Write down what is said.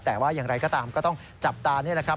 แต่ว่าอย่างไรก็ตามก็ต้องจับตานี่แหละครับ